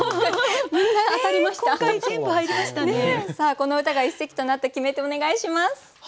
この歌が一席となった決め手お願いします。